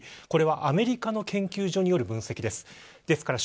これはアメリカの研究所による分析です。